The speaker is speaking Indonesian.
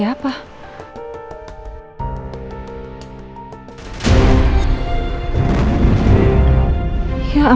aku harus berhenti dengan mereka